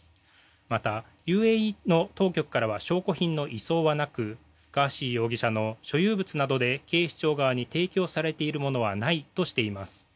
また、ＵＡＥの当局からは証拠品の移送はなくガーシー容疑者の所有物などで警視庁側に提供されているものはないとしています。